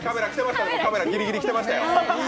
カメラギリギリ来てましたよ。